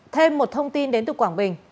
thêm một thông tin đến từ quảng bình